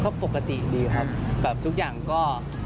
ก็ปกติดีครับแบบทุกอย่างก็